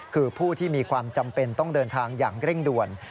คือผู้ที่มีความจำเป็นต้องเดินทางอย่างเร่งด่วน